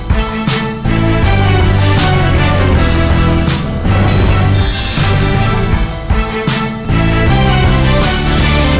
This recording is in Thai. โปรดติดตามตอนต่อไป